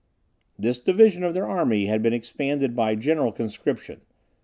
This division of their army had been expanded by general conscription.